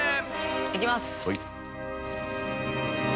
行きます。